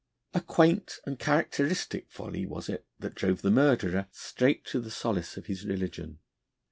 A quaint and characteristic folly was it that drove the murderer straight to the solace of his religion.